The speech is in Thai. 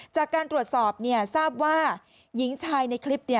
จากการตรวจสอบทราบว่าหญิงชายในคลิป